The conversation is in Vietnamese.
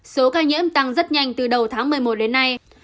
số ca nhiễm tăng rất nhanh từ đầu tháng một mươi một đến nay